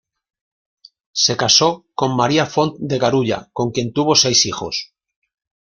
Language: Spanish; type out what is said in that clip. Se casó con María Font de Carulla, con quien tuvo seis hijos.